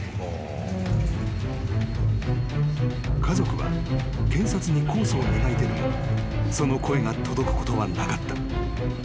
［家族は検察に控訴を願い出るもその声が届くことはなかった。